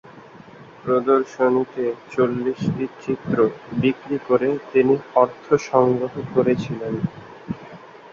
প্রদর্শনীতে চল্লিশটি চিত্র বিক্রয় করে তিনি অর্থ সংগ্রহ করেছিলেন।